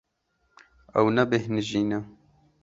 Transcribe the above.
Ew nebêhnijîne.